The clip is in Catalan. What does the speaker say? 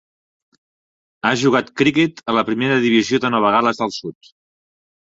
Ha jugat criquet a la primera divisió de Nova Gal·les del Sud.